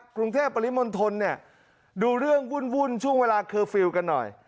กรุงเทพปริมณฑลเนี่ยดูเรื่องวุ่นช่วงเวลาเคอร์ฟิลล์กันหน่อย